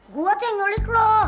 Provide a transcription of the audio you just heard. gue tuh yang nyulik lo